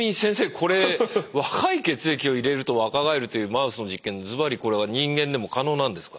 これ若い血液を入れると若返るというマウスの実験ずばりこれは人間でも可能なんですか？